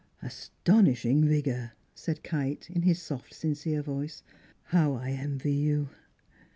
"Astonishing vigour!" said Kite, in his soft, sincere voice. "How I envy you!"